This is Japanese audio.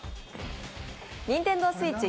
ＮｉｎｔｅｎｄｏＳｗｉｔｃｈ